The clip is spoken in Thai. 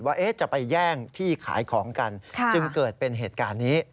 ว่าจะไปแย่งที่ขายของกันจึงเกิดเป็นเหตุการณ์นี้